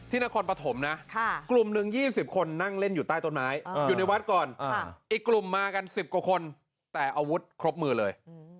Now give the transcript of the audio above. อีกกลุ่มมากัน๑๐กว่าคนแต่อาวุธครบมือเลย